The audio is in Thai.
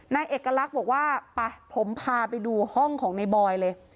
นายเอกลักษณ์บอกว่าไปผมพาไปดูห้องของในบอยเลย